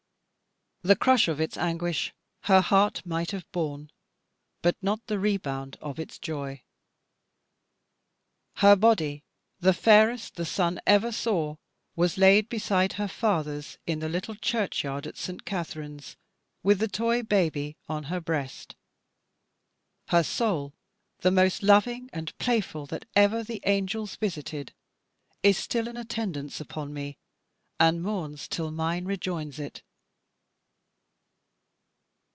The crush of its anguish her heart might have borne, but not the rebound of its joy. Her body, the fairest the sun ever saw, was laid beside her father's in the little churchyard at St. Katharine's, with the toy baby on her breast; her soul, the most loving and playful that ever the angels visited, is still in attendance upon me, and mourns until mine rejoins it.